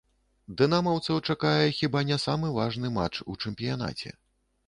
Дынамаўцаў чакае хіба не самы важны матч у чэмпіянаце.